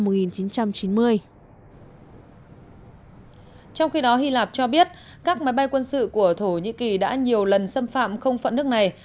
trong khi đó hy lạp cho biết các máy bay quân sự của thổ nhĩ kỳ đã nhiều lần xâm phạm không phận nước này